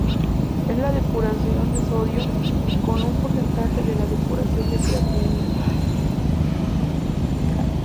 Es la depuración de sodio como un porcentaje de la depuración de creatinina.